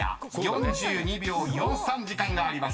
［４２秒４３時間があります］